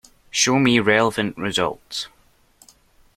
Show me relevant results.